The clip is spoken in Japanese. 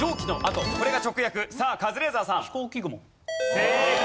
正解。